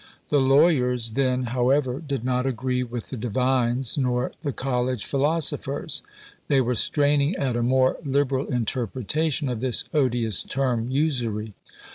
The lawyers then, however, did not agree with the divines, nor the college philosophers; they were straining at a more liberal interpretation of this odious term "Usury."